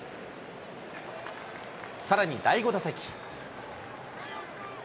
さらに第５打席。